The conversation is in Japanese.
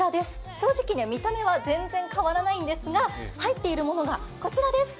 正直見た目は全然変わらないんですが入っているものが、こちらです。